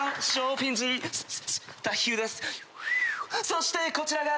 そしてこちらが。